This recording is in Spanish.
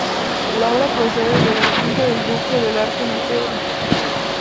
La obra procede de la quinta del Duque del Arco en El Pardo.